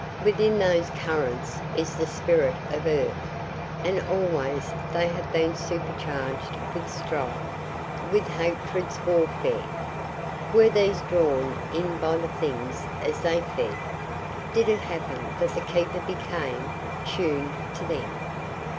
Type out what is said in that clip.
"Within those currents is the spirit of earth. And always they have been supercharged with strife, with hatreds, warfare. Were these drawn in by the Things as they fed? Did it happen that the Keeper became TUNED to them?